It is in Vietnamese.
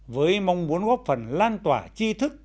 với mong muốn góp phần lan tỏa chi thức